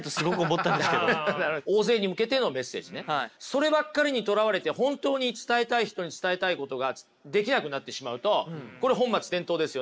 そればっかりにとらわれて本当に伝えたい人に伝えたいことができなくなってしまうとこれ本末転倒ですよね。